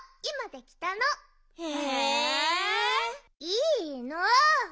いいの！